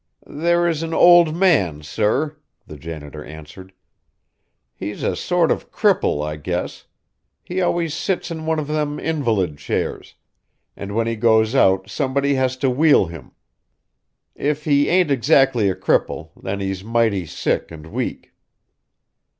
"There is an old man, sir," the janitor answered. "He's a sort of cripple, I guess. He always sits in one of them invalid chairs, and when he goes out somebody has to wheel him. If he ain't exactly a cripple, then he's mighty sick and weak."